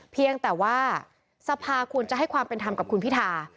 เพียงแต่ว่าสภาควรจะให้ความเป็นธรรมกับคุณพิธา